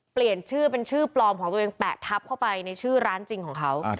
เปลี่ยนชื่อเป็นชื่อปลอมของตัวเองแปะทับเข้าไปในชื่อร้านจริงของเขา